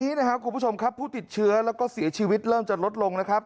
นี้นะครับคุณผู้ชมครับผู้ติดเชื้อแล้วก็เสียชีวิตเริ่มจะลดลงนะครับ